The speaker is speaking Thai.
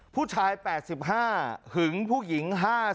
ผู้ชาย๘๕หึงผู้หญิง๕๐